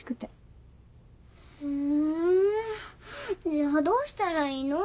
じゃあどうしたらいいの？